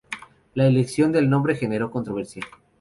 La elección del nombre generó controversia.